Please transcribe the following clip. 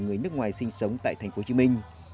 người nước ngoài sinh sống tại thành phố hồ chí minh